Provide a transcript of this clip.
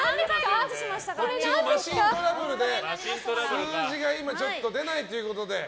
マシントラブルで、数字が今出ないということで。